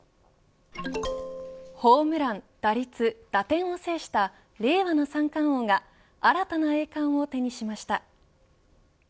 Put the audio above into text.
ホームラン、打率、打点を制した令和の三冠王が新たな栄冠を手にしました。